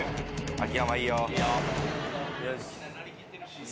秋山いいよ。